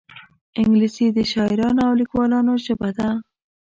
انګلیسي د شاعرانو او لیکوالانو ژبه ده